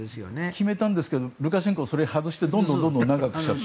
決めたんですけどルカシェンコはそれを外してどんどん長くしちゃって。